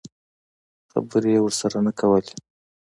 خبرې یې ورسره نه کولې.